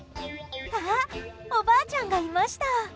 あ、おばあちゃんがいました。